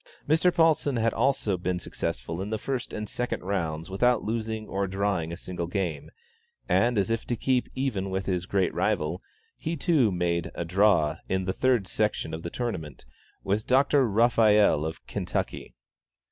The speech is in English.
Mr. Paulsen had also been successful in the first and second rounds without losing or drawing a single game, and, as if to keep even with his great rival, he, too, had made "a draw" in the third section of the tournament with Dr. Raphael, of Kentucky.